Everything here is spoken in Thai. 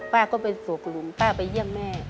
ป้าก็ไปส่งหลุมป้าไปเยี่ยมแม่